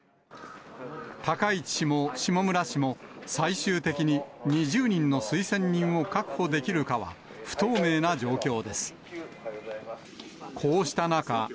高市氏も下村氏も、最終的に２０人の推薦人を確保できるかは不透明な状況です。